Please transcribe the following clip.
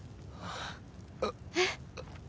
えっ？